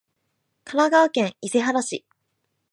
神奈川県伊勢原市